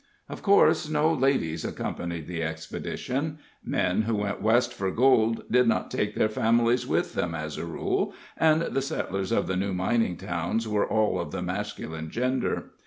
Of course, no ladies accompanied the expedition. Men who went West for gold did not take their families with them, as a rule, and the settlers of new mining towns were all of the masculine gender.